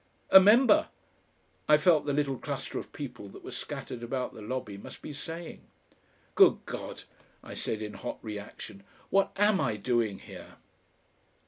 "A MEMBER!" I felt the little cluster of people that were scattered about the lobby must be saying. "Good God!" I said in hot reaction, "what am I doing here?"